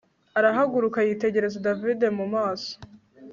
arahaguruka yitegereza david mumaso